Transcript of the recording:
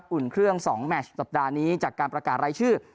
อุ่นเครื่อง๒แมชสัปดาห์นี้จากการประกาศรายชื่อ